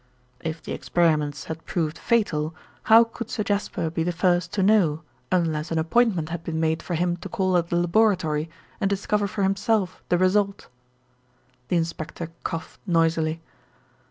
If the experiments had proved fatal, how could Sir Jasper be the first to know unless an appointment had been made for him to call at the laboratory and discover for himself the result?" The inspector coughed noisily.